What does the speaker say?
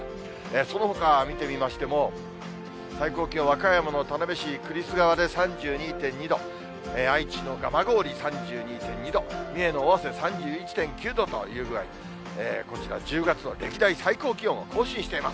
そのほかを見てみましても、最高気温、和歌山の田辺市栗栖川で３２．２度、愛知の蒲郡３２．２度、三重の尾鷲、３１．９度というぐらい、こちら、１０月の歴代最高気温を更新しています。